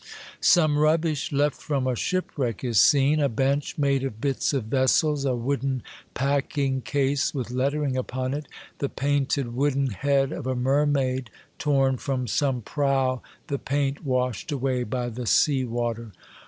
Some rubbish left from a shipwreck is seen, a bench made of bits of vessels, a wooden packing case with lettering upon it, the painted wooden head of a mermaid torn from some prow, the paint washed away by the sea water.